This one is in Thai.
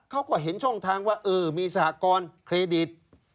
เขาก็เห็นช่องทางว่าเออมีสหกรณ์เครดิต